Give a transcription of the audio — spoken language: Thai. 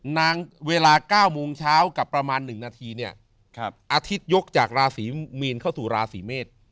เวลา๙โมงเช้ากับประมาณ๑นาทีเนี่ยอาทิตยกจากราศีมีนเข้าสู่ราศีเมษ